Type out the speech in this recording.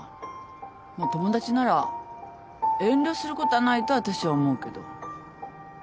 まっ友達なら遠慮することはないとあたしは思うけど。